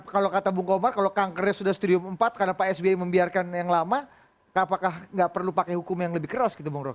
kalau kata bung komar kalau kankernya sudah stadium empat karena pak sby membiarkan yang lama apakah nggak perlu pakai hukum yang lebih keras gitu bung rom